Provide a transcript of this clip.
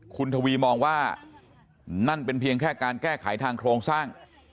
คุณทวีมองว่านั่นเป็นเพียงแค่การแก้ไขทางโครงสร้าง